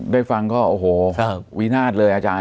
ได้ฟังก็โอ้โหวินาศเลยอาจารย์